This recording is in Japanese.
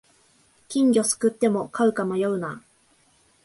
金魚すくっても飼うか迷うな